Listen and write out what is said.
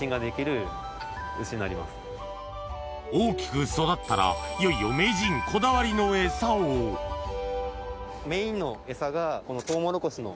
大きく育ったらいよいよ名人こだわりのエサをメインのエサがこの。